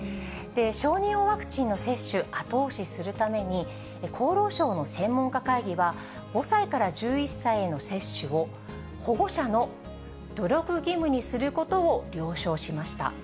小児用ワクチンの接種、後押しするために、厚労省の専門家会議は、５歳から１１歳への接種を、保護者の努力義務にすることを了承しました。